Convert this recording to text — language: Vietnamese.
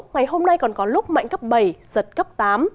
ngày hôm nay còn có lúc mạnh cấp bảy giật cấp tám